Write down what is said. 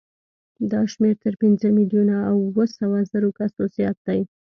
دا شمېر تر پنځه میلیونه او اوه سوه زرو کسو زیات دی.